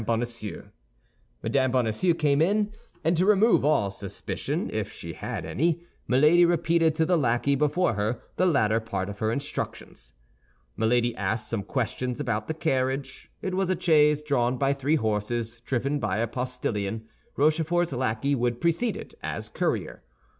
Bonacieux. Mme. Bonacieux came in; and to remove all suspicion, if she had any, Milady repeated to the lackey, before her, the latter part of her instructions. Milady asked some questions about the carriage. It was a chaise drawn by three horses, driven by a postillion; Rochefort's lackey would precede it, as courier.